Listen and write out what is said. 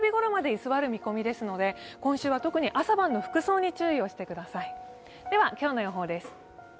これは木曜日頃まで居座る見込みですので、今週は特に朝晩の服装に注意をしてください。